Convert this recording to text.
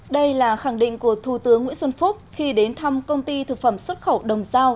đây là khẳng định của thủ tướng nguyễn xuân phúc khi đến thăm công ty thực phẩm xuất khẩu đồng giao